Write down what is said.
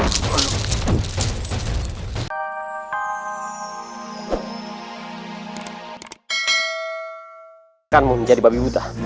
kau akan menjadi babi buta